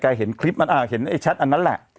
เห็นคลิปมันอ่าเห็นไอ้แชทอันนั้นแหละ